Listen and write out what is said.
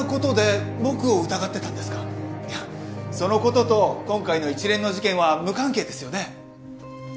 いやその事と今回の一連の事件は無関係ですよね？